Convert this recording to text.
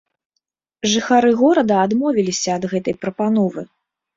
Жыхары горада адмовіліся ад гэтай прапановы.